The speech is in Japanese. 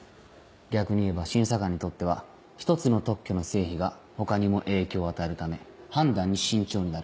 逆にいえば審査官にとっては一つの特許の成否が他にも影響を与えるため判断に慎重になる。